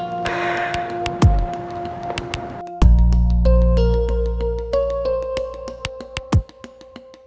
nanti kita berhenti disini aja